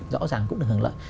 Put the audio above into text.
rõ ràng cũng được hưởng lợi